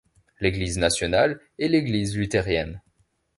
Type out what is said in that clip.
L’Église nationale est l’Église luthérienne.